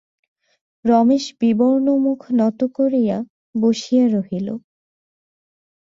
রমেশ বিবর্ণ মুখ নত করিয়া বসিয়া রহিল।